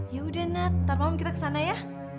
ya udah nad ntar malam kita ke sana ya